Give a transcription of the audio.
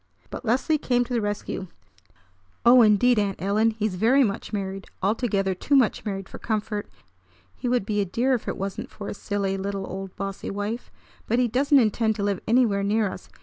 But Leslie came to the rescue. "Oh, indeed, Aunt Ellen, he's very much married! Altogether too much married for comfort. He would be a dear if it wasn't for his silly little old bossy wife! But he doesn't intend to live anywhere near us.